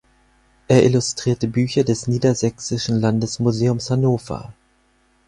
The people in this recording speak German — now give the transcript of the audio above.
Er illustrierte Bücher des Niedersächsischen Landesmuseums Hannover.